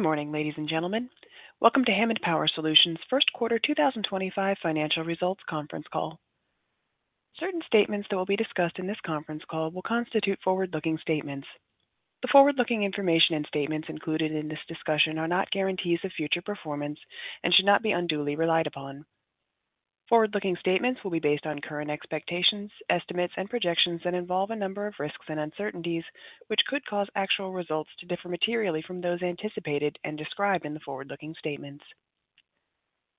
Good morning, ladies and gentlemen. Welcome to Hammond Power Solutions' first quarter 2025 financial results conference call. Certain statements that will be discussed in this conference call will constitute forward-looking statements. The forward-looking information and statements included in this discussion are not guarantees of future performance and should not be unduly relied upon. Forward-looking statements will be based on current expectations, estimates, and projections that involve a number of risks and uncertainties which could cause actual results to differ materially from those anticipated and described in the forward-looking statements.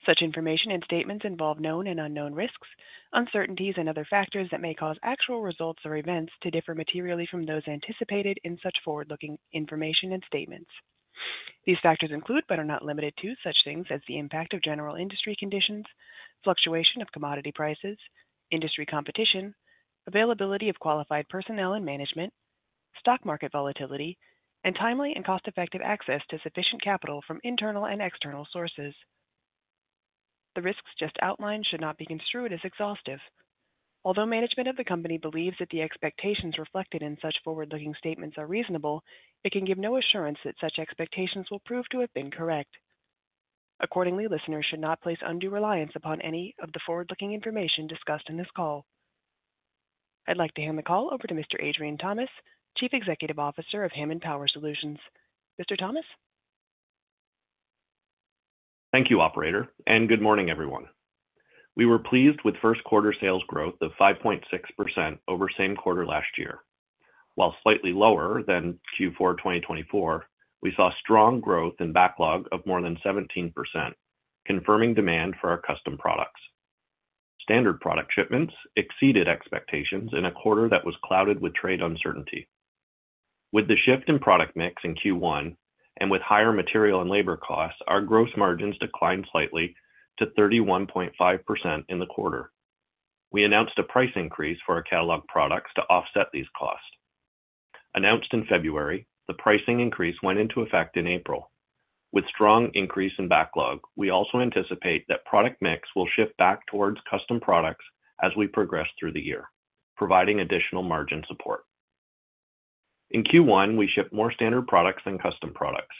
Such information and statements involve known and unknown risks, uncertainties, and other factors that may cause actual results or events to differ materially from those anticipated in such forward-looking information and statements. These factors include, but are not limited to, such things as the impact of general industry conditions, fluctuation of commodity prices, industry competition, availability of qualified personnel and management, stock market volatility, and timely and cost-effective access to sufficient capital from internal and external sources. The risks just outlined should not be construed as exhaustive. Although management of the company believes that the expectations reflected in such forward-looking statements are reasonable, it can give no assurance that such expectations will prove to have been correct. Accordingly, listeners should not place undue reliance upon any of the forward-looking information discussed in this call. I'd like to hand the call over to Mr. Adrian Thomas, Chief Executive Officer of Hammond Power Solutions. Mr. Thomas? Thank you, Operator, and good morning, everyone. We were pleased with first-quarter sales growth of 5.6% over same quarter last year. While slightly lower than Q4 2024, we saw strong growth in backlog of more than 17%, confirming demand for our custom products. Standard product shipments exceeded expectations in a quarter that was clouded with trade uncertainty. With the shift in product mix in Q1 and with higher material and labor costs, our gross margins declined slightly to 31.5% in the quarter. We announced a price increase for our catalog products to offset these costs. Announced in February, the pricing increase went into effect in April. With strong increase in backlog, we also anticipate that product mix will shift back towards custom products as we progress through the year, providing additional margin support. In Q1, we shipped more standard products than custom products.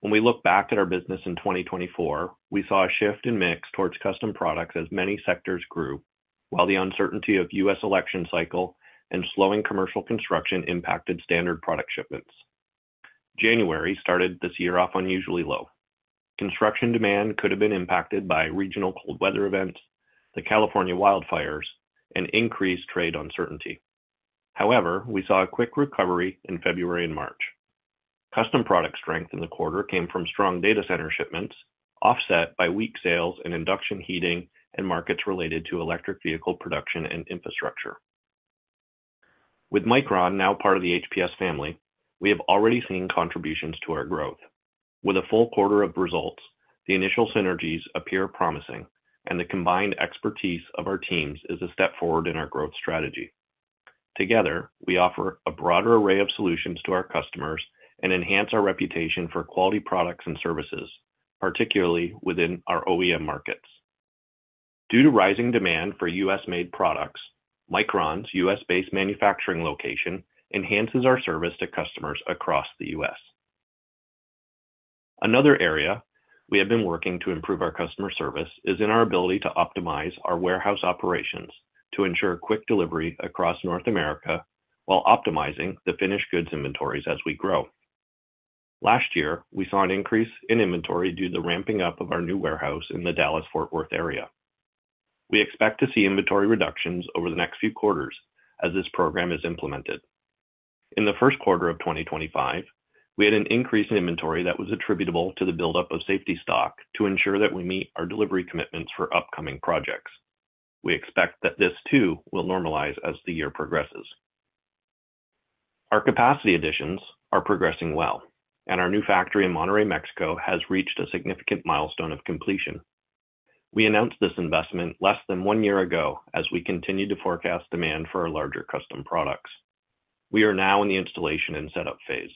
When we look back at our business in 2024, we saw a shift in mix towards custom products as many sectors grew, while the uncertainty of the U.S. election cycle and slowing commercial construction impacted standard product shipments. January started this year off unusually low. Construction demand could have been impacted by regional cold weather events, the California wildfires, and increased trade uncertainty. However, we saw a quick recovery in February and March. Custom product strength in the quarter came from strong data center shipments, offset by weak sales in induction heating and markets related to electric vehicle production and infrastructure. With Micron now part of the HPS family, we have already seen contributions to our growth. With a full quarter of results, the initial synergies appear promising, and the combined expertise of our teams is a step forward in our growth strategy. Together, we offer a broader array of solutions to our customers and enhance our reputation for quality products and services, particularly within our OEM markets. Due to rising demand for U.S.-made products, Micron's U.S.-based manufacturing location enhances our service to customers across the U.S. Another area we have been working to improve our customer service is in our ability to optimize our warehouse operations to ensure quick delivery across North America while optimizing the finished goods inventories as we grow. Last year, we saw an increase in inventory due to the ramping up of our new warehouse in the Dallas-Fort Worth area. We expect to see inventory reductions over the next few quarters as this program is implemented. In the first quarter of 2025, we had an increase in inventory that was attributable to the buildup of safety stock to ensure that we meet our delivery commitments for upcoming projects. We expect that this, too, will normalize as the year progresses. Our capacity additions are progressing well, and our new factory in Monterey, Mexico, has reached a significant milestone of completion. We announced this investment less than one year ago as we continue to forecast demand for our larger custom products. We are now in the installation and setup phase.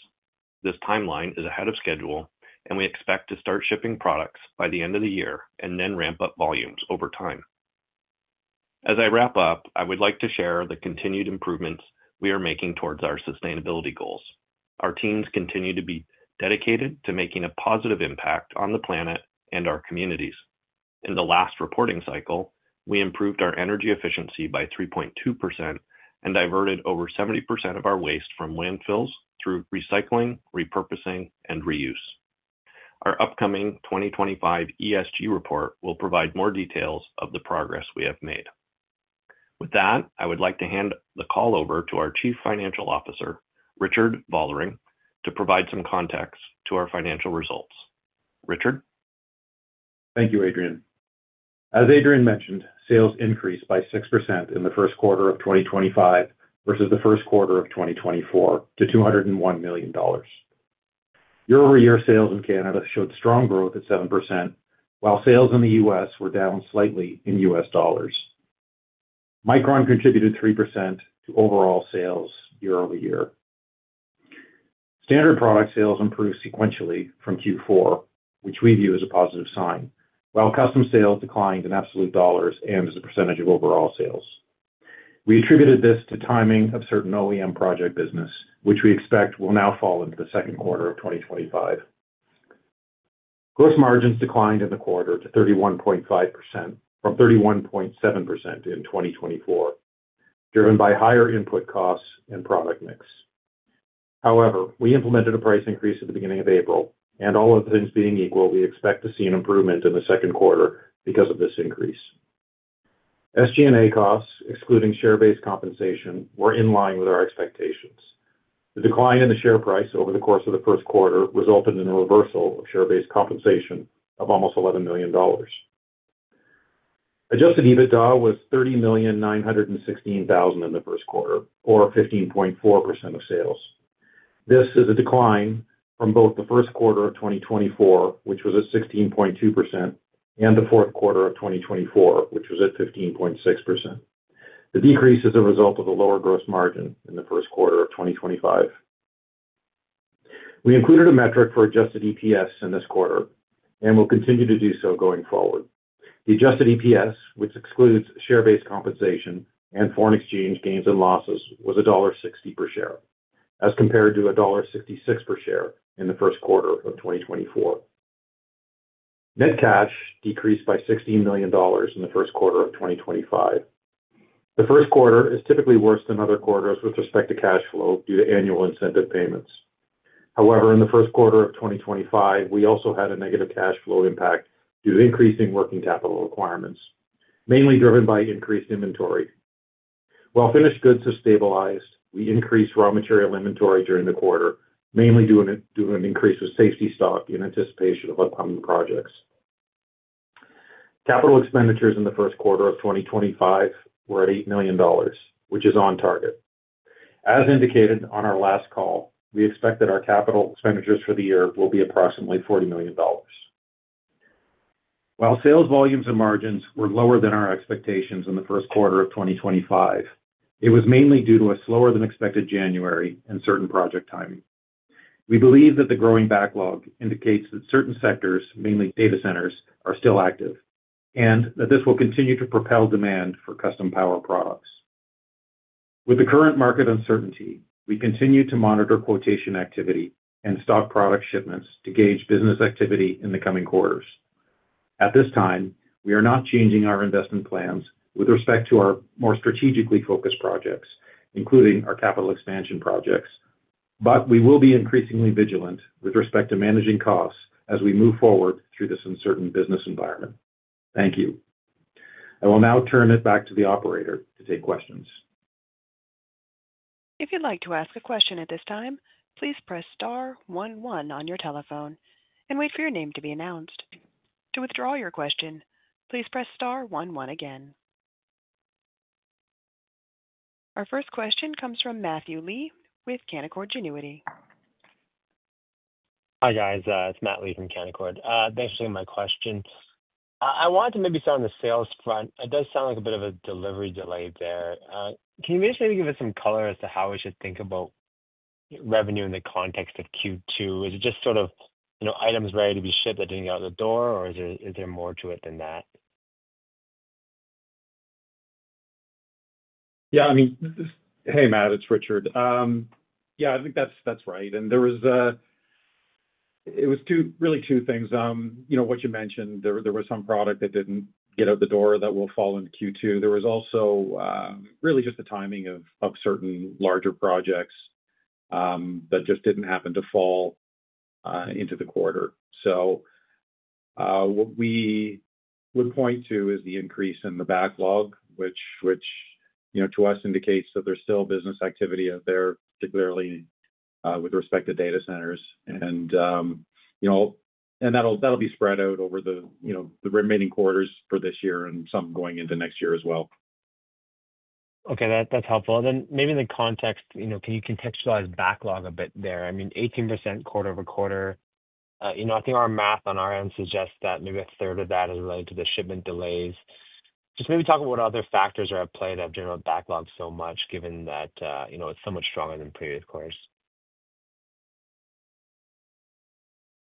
This timeline is ahead of schedule, and we expect to start shipping products by the end of the year and then ramp up volumes over time. As I wrap up, I would like to share the continued improvements we are making towards our sustainability goals. Our teams continue to be dedicated to making a positive impact on the planet and our communities. In the last reporting cycle, we improved our energy efficiency by 3.2% and diverted over 70% of our waste from landfills through recycling, repurposing, and reuse. Our upcoming 2025 ESG report will provide more details of the progress we have made. With that, I would like to hand the call over to our Chief Financial Officer, Richard Vollering, to provide some context to our financial results. Richard? Thank you, Adrian. As Adrian mentioned, sales increased by six percent in the first quarter of 2025 versus the first quarter of 2024 to 201 million dollars. Year-over-year sales in Canada showed strong growth at seven percent, while sales in the U.S. were down slightly in U.S. dollars. Micron contributed 3% to overall sales year-over-year. Standard product sales improved sequentially from Q4, which we view as a positive sign, while custom sales declined in absolute dollars and as a percentage of overall sales. We attributed this to timing of certain OEM project business, which we expect will now fall into the second quarter of 2025. Gross margins declined in the quarter to 31.5% from 31.7% in 2024, driven by higher input costs and product mix. However, we implemented a price increase at the beginning of April, and all other things being equal, we expect to see an improvement in the second quarter because of this increase. SG&A costs, excluding share-based compensation, were in line with our expectations. The decline in the share price over the course of the first quarter resulted in a reversal of share-based compensation of almost 11 million dollars. Adjusted EBITDA was 30,916,000 in the first quarter, or 15.4% of sales. This is a decline from both the first quarter of 2024, which was at 16.2%, and the fourth quarter of 2024, which was at 15.6%. The decrease is a result of a lower gross margin in the first quarter of 2025. We included a metric for adjusted EPS in this quarter and will continue to do so going forward. The adjusted EPS, which excludes share-based compensation and foreign exchange gains and losses, was dollar 1.60 per share, as compared to dollar 1.66 per share in the first quarter of 2024. Net cash decreased by 16 million dollars in the first quarter of 2025. The first quarter is typically worse than other quarters with respect to cash flow due to annual incentive payments. However, in the first quarter of 2025, we also had a negative cash flow impact due to increasing working capital requirements, mainly driven by increased inventory. While finished goods have stabilized, we increased raw material inventory during the quarter, mainly due to an increase of safety stock in anticipation of upcoming projects. Capital expenditures in the first quarter of 2025 were at 8 million dollars, which is on target. As indicated on our last call, we expect that our capital expenditures for the year will be approximately 40 million dollars. While sales volumes and margins were lower than our expectations in the first quarter of 2025, it was mainly due to a slower-than-expected January and certain project timing. We believe that the growing backlog indicates that certain sectors, mainly data centers, are still active and that this will continue to propel demand for custom power products. With the current market uncertainty, we continue to monitor quotation activity and stock product shipments to gauge business activity in the coming quarters. At this time, we are not changing our investment plans with respect to our more strategically focused projects, including our capital expansion projects, but we will be increasingly vigilant with respect to managing costs as we move forward through this uncertain business environment. Thank you. I will now turn it back to the Operator to take questions. If you'd like to ask a question at this time, please press star one, one on your telephone and wait for your name to be announced. To withdraw your question, please press star one, one again. Our first question comes from Matthew Lee with Canaccord Genuity. Hi, guys. It's Matt Lee from Canaccord. Thanks for taking my question. I wanted to maybe start on the sales front. It does sound like a bit of a delivery delay there. Can you maybe just maybe give us some color as to how we should think about revenue in the context of Q2? Is it just sort of items ready to be shipped that didn't get out the door, or is there more to it than that? Yeah. I mean, hey, Matt, it's Richard. Yeah, I think that's right. There was really two things. What you mentioned, there was some product that didn't get out the door that will fall into Q2. There was also really just the timing of certain larger projects that just didn't happen to fall into the quarter. What we would point to is the increase in the backlog, which to us indicates that there's still business activity out there, particularly with respect to data centers. That'll be spread out over the remaining quarters for this year and some going into next year as well. Okay. That's helpful. Maybe in the context, can you contextualize backlog a bit there? I mean, 18% quarter over quarter. I think our math on our end suggests that maybe a third of that is related to the shipment delays. Just maybe talk about what other factors are at play that have generated backlog so much, given that it's so much stronger than previous quarters.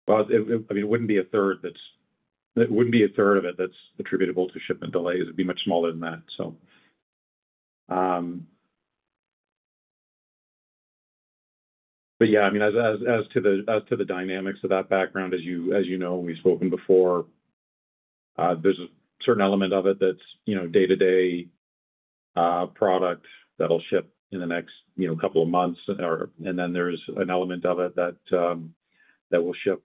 I mean, it wouldn't be a third of it that's attributable to shipment delays. It'd be much smaller than that. Yeah, as to the dynamics of that background, as you know, we've spoken before, there's a certain element of it that's day-to-day product that'll ship in the next couple of months. Then there's an element of it that will ship,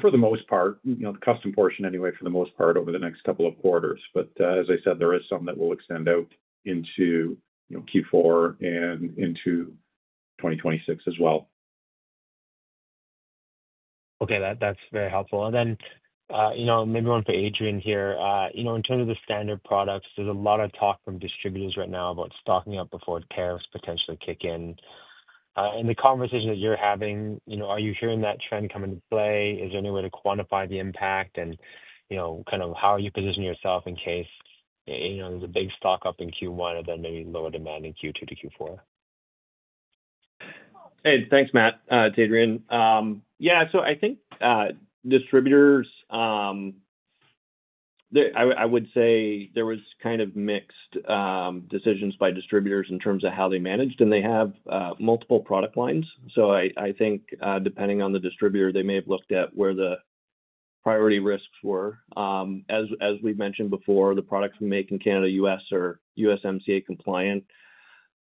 for the most part, the custom portion anyway, for the most part, over the next couple of quarters. As I said, there is some that will extend out into Q4 and into 2026 as well. Okay. That's very helpful. Maybe one for Adrian here. In terms of the standard products, there's a lot of talk from distributors right now about stocking up before tariffs potentially kick in. In the conversation that you're having, are you hearing that trend come into play? Is there any way to quantify the impact? How are you positioning yourself in case there's a big stock up in Q1 and then maybe lower demand in Q2 to Q4? Hey, thanks, Matt, to Adrian. Yeah. I think distributors, I would say there was kind of mixed decisions by distributors in terms of how they managed, and they have multiple product lines. I think depending on the distributor, they may have looked at where the priority risks were. As we've mentioned before, the products we make in Canada, U.S., are U.S. MCA compliant.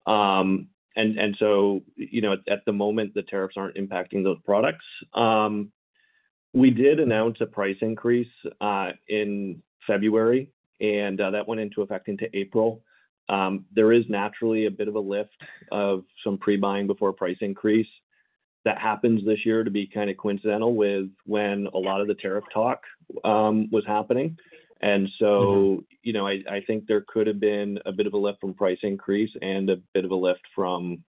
At the moment, the tariffs aren't impacting those products. We did announce a price increase in February, and that went into effect into April. There is naturally a bit of a lift of some pre-buying before price increase that happens this year to be kind of coincidental with when a lot of the tariff talk was happening. I think there could have been a bit of a lift from price increase and a bit of a lift from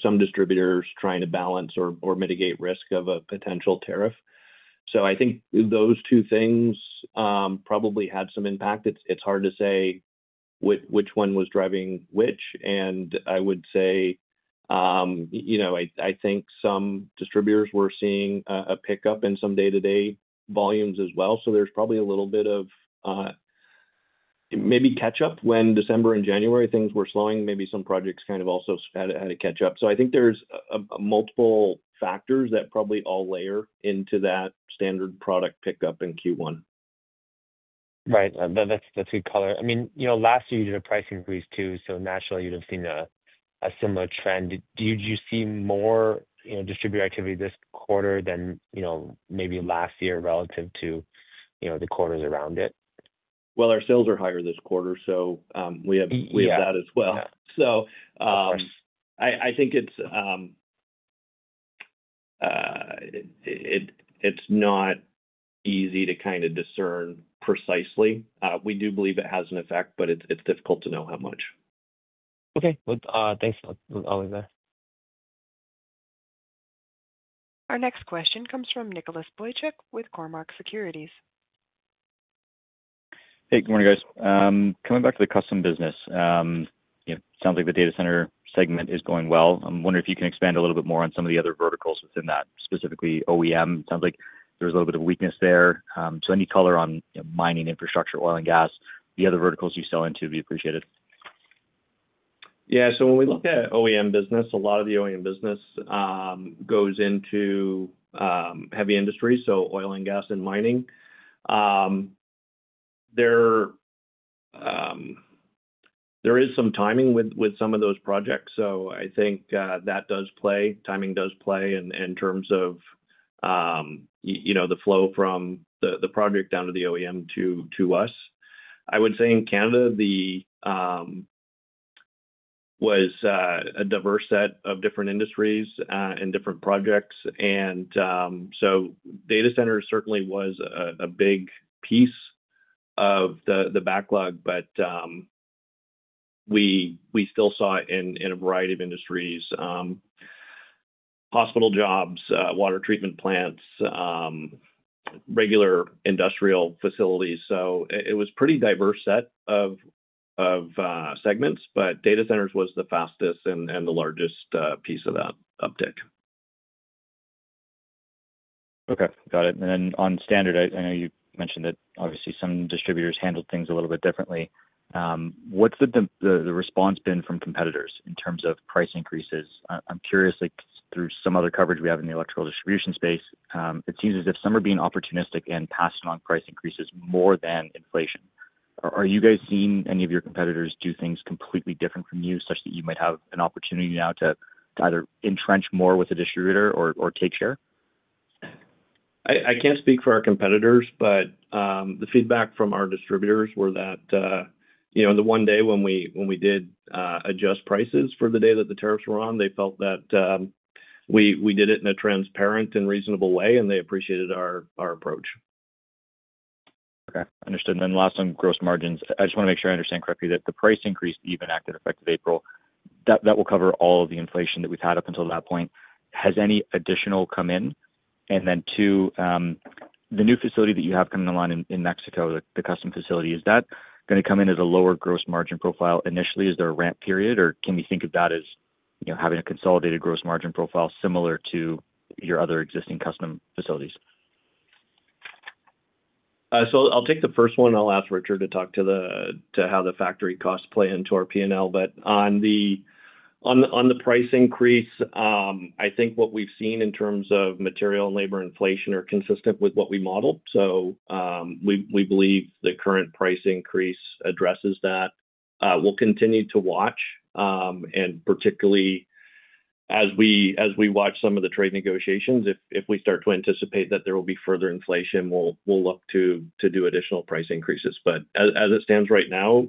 some distributors trying to balance or mitigate risk of a potential tariff. I think those two things probably had some impact. It's hard to say which one was driving which. I would say I think some distributors were seeing a pickup in some day-to-day volumes as well. There's probably a little bit of maybe catch-up when December and January things were slowing. Maybe some projects kind of also had a catch-up. I think there's multiple factors that probably all layer into that standard product pickup in Q1. Right. That's a good color. I mean, last year, you did a price increase too, so naturally, you'd have seen a similar trend. Did you see more distributor activity this quarter than maybe last year relative to the quarters around it? Our sales are higher this quarter, so we have that as well. I think it's not easy to kind of discern precisely. We do believe it has an effect, but it's difficult to know how much. Okay. Thanks for all, there. Our next question comes from Nicholas Boychuk with Cormark Securities. Hey, good morning, guys. Coming back to the custom business, it sounds like the data center segment is going well. I'm wondering if you can expand a little bit more on some of the other verticals within that, specifically OEM. It sounds like there was a little bit of weakness there. Any color on mining infrastructure, oil and gas, the other verticals you sell into would be appreciated. Yeah. When we look at OEM business, a lot of the OEM business goes into heavy industry, so oil and gas and mining. There is some timing with some of those projects, so I think that does play. Timing does play in terms of the flow from the project down to the OEM to us. I would say in Canada, it was a diverse set of different industries and different projects. Data centers certainly was a big piece of the backlog, but we still saw it in a variety of industries: hospital jobs, water treatment plants, regular industrial facilities. It was a pretty diverse set of segments, but data centers was the fastest and the largest piece of that uptick. Okay. Got it. On standard, I know you mentioned that obviously some distributors handled things a little bit differently. What's the response been from competitors in terms of price increases? I'm curious, through some other coverage we have in the electrical distribution space, it seems as if some are being opportunistic and passing on price increases more than inflation. Are you guys seeing any of your competitors do things completely different from you such that you might have an opportunity now to either entrench more with a distributor or take share? I can't speak for our competitors, but the feedback from our distributors was that the one day when we did adjust prices for the day that the tariffs were on, they felt that we did it in a transparent and reasonable way, and they appreciated our approach. Okay. Understood. Last on gross margins, I just want to make sure I understand correctly that the price increase even acted effective April, that will cover all of the inflation that we've had up until that point. Has any additional come in? Two, the new facility that you have coming online in Mexico, the custom facility, is that going to come in as a lower gross margin profile initially? Is there a ramp period, or can we think of that as having a consolidated gross margin profile similar to your other existing custom facilities? I'll take the first one, and I'll ask Richard to talk to how the factory costs play into our P&L. On the price increase, I think what we've seen in terms of material and labor inflation are consistent with what we modeled. We believe the current price increase addresses that. We'll continue to watch, and particularly as we watch some of the trade negotiations, if we start to anticipate that there will be further inflation, we'll look to do additional price increases. As it stands right now,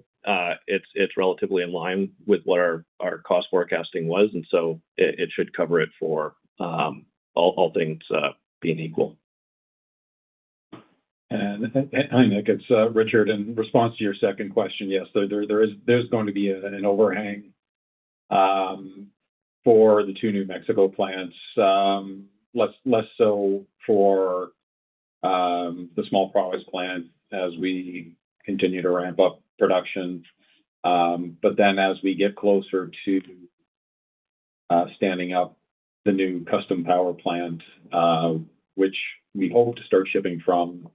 it's relatively in line with what our cost forecasting was, and so it should cover it for all things being equal. Hi, Nick. It's Richard. In response to your second question, yes, there is going to be an overhang for the two New Mexico plants, less so for the small products plant as we continue to ramp up production. As we get closer to standing up the new custom power plant, which we hope to start shipping from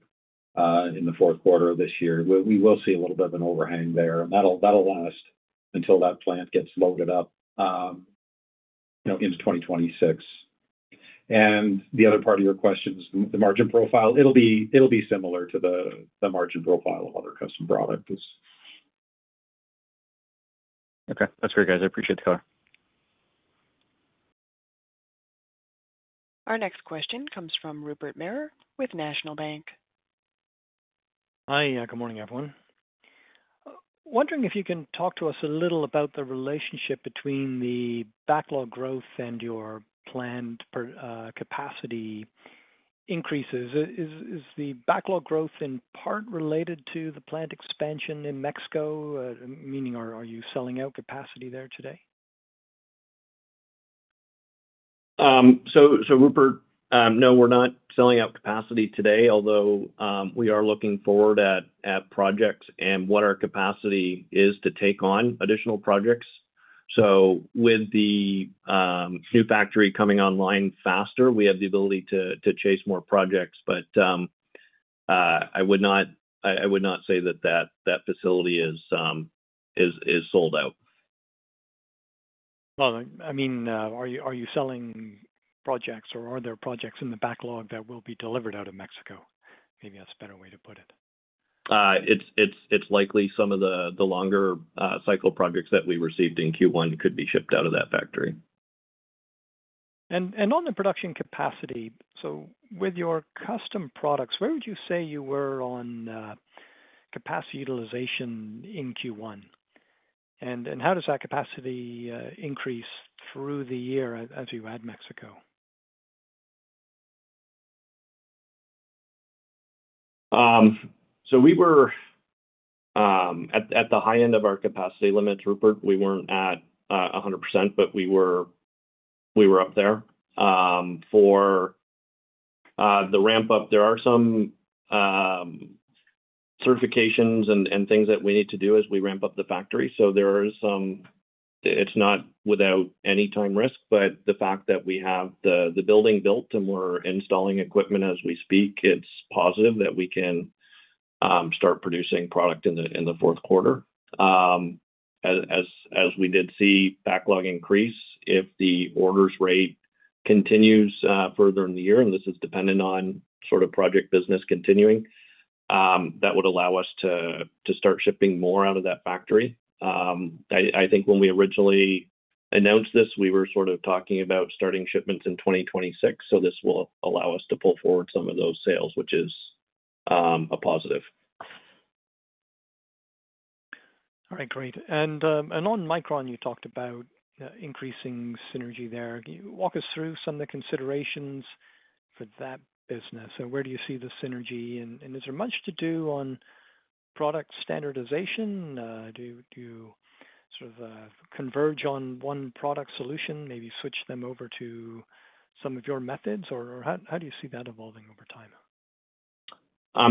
in the fourth quarter of this year, we will see a little bit of an overhang there. That will last until that plant gets loaded up into 2026. The other part of your question is the margin profile. It will be similar to the margin profile of other custom products. Okay. That's great, guys. I appreciate the color. Our next question comes from Rupert Merer with National Bank. Hi. Good morning, everyone. Wondering if you can talk to us a little about the relationship between the backlog growth and your planned capacity increases. Is the backlog growth in part related to the plant expansion in Mexico, meaning are you selling out capacity there today? Rupert, no, we're not selling out capacity today, although we are looking forward at projects and what our capacity is to take on additional projects. With the new factory coming online faster, we have the ability to chase more projects, but I would not say that that facility is sold out. I mean, are you selling projects, or are there projects in the backlog that will be delivered out of Mexico? Maybe that's a better way to put it. It's likely some of the longer cycle projects that we received in Q1 could be shipped out of that factory. On the production capacity, with your custom products, where would you say you were on capacity utilization in Q1? How does that capacity increase through the year as you add Mexico? We were at the high end of our capacity limits, Rupert. We were not at 100%, but we were up there. For the ramp-up, there are some certifications and things that we need to do as we ramp up the factory. It is not without any time risk, but the fact that we have the building built and we are installing equipment as we speak, it is positive that we can start producing product in the fourth quarter. As we did see backlog increase, if the orders rate continues further in the year, and this is dependent on sort of project business continuing, that would allow us to start shipping more out of that factory. I think when we originally announced this, we were sort of talking about starting shipments in 2026. This will allow us to pull forward some of those sales, which is a positive. All right. Great. On Micron, you talked about increasing synergy there. Walk us through some of the considerations for that business. Where do you see the synergy? Is there much to do on product standardization? Do you sort of converge on one product solution, maybe switch them over to some of your methods, or how do you see that evolving over time? There are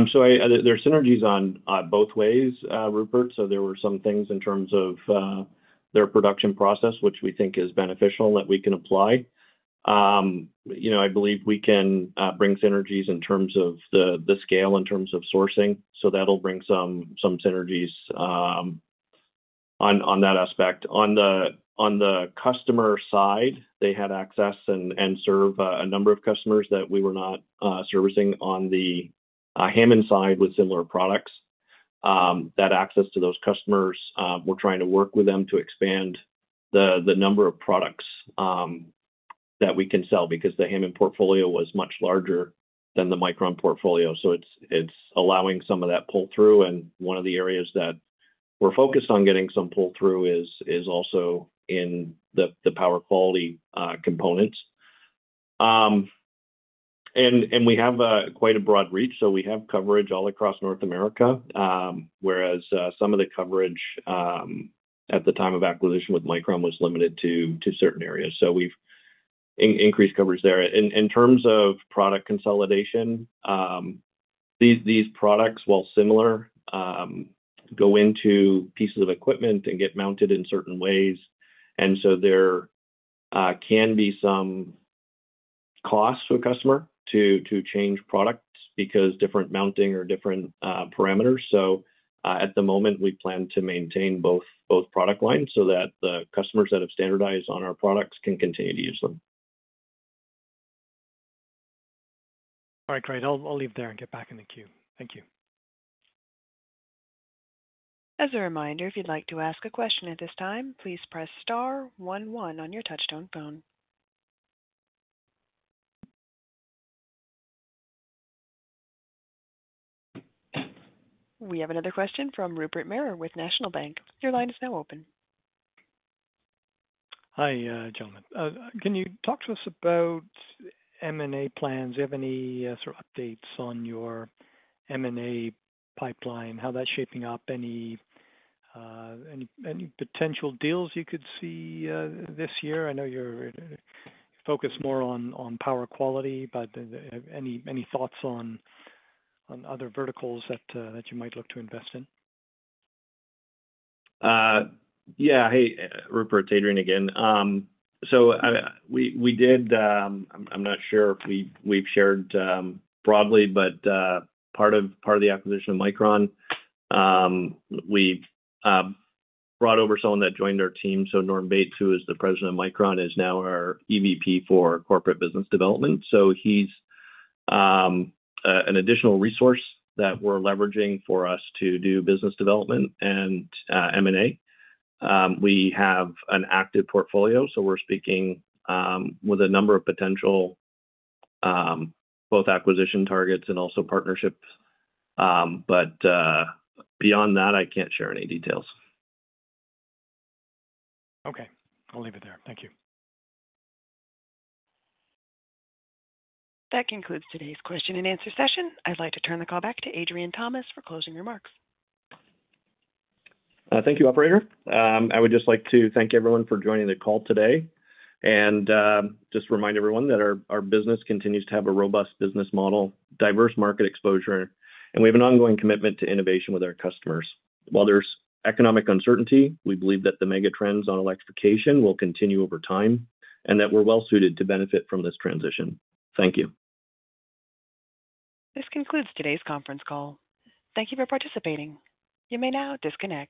synergies on both ways, Rupert. There were some things in terms of their production process, which we think is beneficial that we can apply. I believe we can bring synergies in terms of the scale, in terms of sourcing. That will bring some synergies on that aspect. On the customer side, they had access and serve a number of customers that we were not servicing on the Hammond side with similar products. That access to those customers, we are trying to work with them to expand the number of products that we can sell because the Hammond portfolio was much larger than the Micron portfolio. It is allowing some of that pull-through. One of the areas that we are focused on getting some pull-through is also in the power quality components. We have quite a broad reach. We have coverage all across North America, whereas some of the coverage at the time of acquisition with Micron was limited to certain areas. We have increased coverage there. In terms of product consolidation, these products, while similar, go into pieces of equipment and get mounted in certain ways. There can be some cost to a customer to change products because of different mounting or different parameters. At the moment, we plan to maintain both product lines so that the customers that have standardized on our products can continue to use them. All right. Great. I'll leave there and get back in the queue. Thank you. As a reminder, if you'd like to ask a question at this time, please press star one, one on your touch-tone phone. We have another question from Rupert Merer with National Bank. Your line is now open. Hi, gentlemen. Can you talk to us about M&A plans? Do you have any sort of updates on your M&A pipeline, how that's shaping up, any potential deals you could see this year? I know you're focused more on power quality, but any thoughts on other verticals that you might look to invest in? Yeah. Hey, Rupert, Adrian again. We did—I am not sure if we have shared broadly, but part of the acquisition of Micron, we brought over someone that joined our team. Norm Bates, who is the president of Micron, is now our EVP for Corporate Business Development. He is an additional resource that we are leveraging for us to do business development and M&A. We have an active portfolio, so we are speaking with a number of potential both acquisition targets and also partnerships. Beyond that, I cannot share any details. Okay. I'll leave it there. Thank you. That concludes today's question and answer session. I'd like to turn the call back to Adrian Thomas for closing remarks. Thank you, Operator. I would just like to thank everyone for joining the call today and just remind everyone that our business continues to have a robust business model, diverse market exposure, and we have an ongoing commitment to innovation with our customers. While there's economic uncertainty, we believe that the mega trends on electrification will continue over time and that we're well-suited to benefit from this transition. Thank you. This concludes today's conference call. Thank you for participating. You may now disconnect.